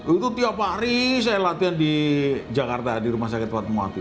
itu tiap hari saya latihan di jakarta di rumah sakit wat mewati